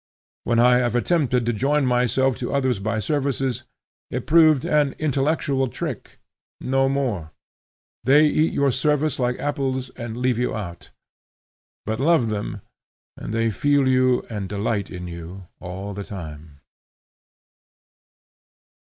When I have attempted to join myself to others by services, it proved an intellectual trick, no more. They eat your service like apples, and leave you out. But love them, and they feel you and delight in you all the time.